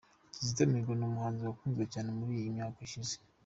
Kizito Mihigo ni umuhanzi wakunzwe cyane muri iyi myaka ishize.